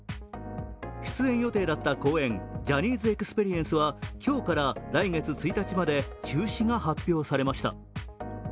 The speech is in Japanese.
出演予定だった公演「ジャニーズ・エクスペリエンス」は今日から来月１日まで中止が発表されました。